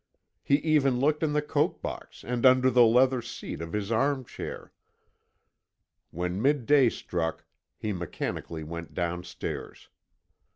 He even looked in the coke box and under the leather seat of his arm chair. When midday struck he mechanically went downstairs.